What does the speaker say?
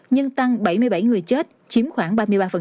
nhưng tăng bảy mươi bảy người chết chiếm khoảng ba mươi ba